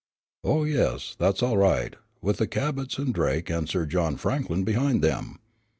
"Oh, yes, that's all right, with the Cabots and Drake and Sir John Franklin behind them.